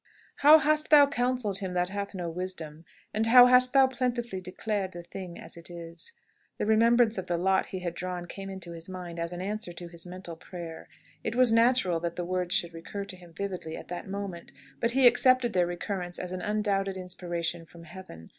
"How hast thou counselled him that hath no wisdom? And how hast thou plentifully declared the thing as it is?" The remembrance of the lot he had drawn came into his mind, as an answer to his mental prayer. It was natural that the words should recur to him vividly at that moment, but he accepted their recurrence as an undoubted inspiration from Heaven.